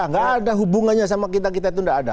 nggak ada hubungannya sama kita kita itu tidak ada